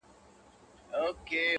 • چي بوډا رخصتېدی له هسپتاله,